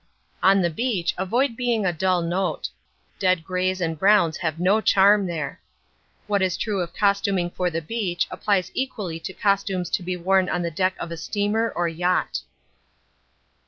On the beach avoid being a dull note; dead greys and browns have no charm there. What is true of costuming for the beach applies equally to costumes to be worn on the deck of a steamer or yacht.